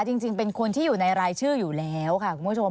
จริงเป็นคนที่อยู่ในรายชื่ออยู่แล้วค่ะคุณผู้ชม